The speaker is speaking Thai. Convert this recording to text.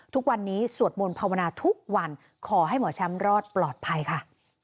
ทุกวันนี้สวดมนต์ภาวนาทุกวันขอให้หมอแชมป์รอดปลอดภัยค่ะ